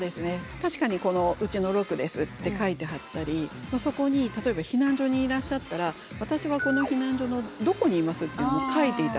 確かに「うちのろくです」って書いて貼ったりそこに例えば避難所にいらっしゃったら私はこの避難所のどこにいますっていうのも書いて頂く。